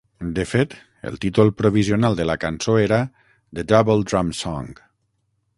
De fet, el títol provisional de la cançó era "The Double Drum Song".